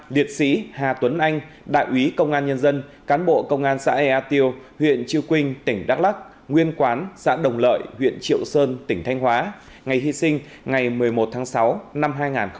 liệt sĩ hà tuấn anh đại úy công an nhân dân cán bộ công an xã ea tiêu huyện chư quynh tỉnh đắk lắc nguyên quán xã đồng lợi huyện triệu sơn tỉnh thanh hóa ngày hy sinh ngày một mươi một tháng sáu năm hai nghìn hai mươi ba